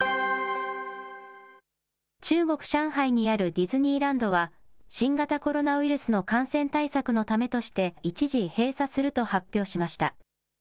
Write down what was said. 中国・上海にあるディズニーランドは、新型コロナウイルスの感染対策のためとして、一時閉鎖すると発表しました。